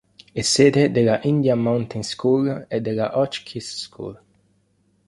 È sede della Indian Mountain School e della Hotchkiss School.